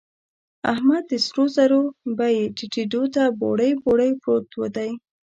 احمد د سرو زرو بيې ټيټېدو ته بوړۍ بوړۍ پروت دی.